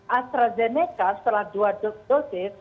jadi astrazeneca setelah dua dosis